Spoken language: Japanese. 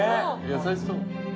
優しそう。